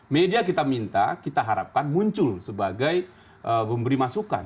media kita minta kita harapkan muncul sebagai memberi masukan